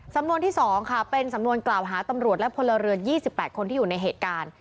สำนวนที่๒ค่ะเป็นสำนวนกล่าวหาตำรวจและพลเรือน๒๘คนที่อยู่ในเหตุการณ์